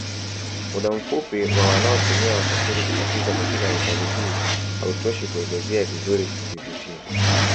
Muda mfupi wa wanaotumia wasafiri kukatiza katika hifadhi hii hautoshi kuelezea vizuri vivutio